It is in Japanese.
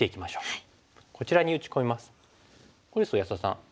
はい。